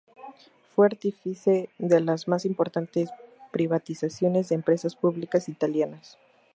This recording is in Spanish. Fue artífice de las más importantes privatizaciones de empresas públicas italianas.